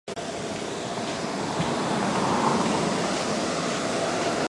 掌叶花烛为天南星科花烛属下的一个种。